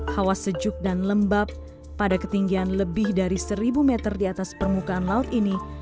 hawa sejuk dan lembab pada ketinggian lebih dari seribu meter di atas permukaan laut ini